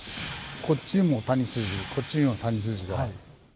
こっちにも谷筋こっちにも谷筋が。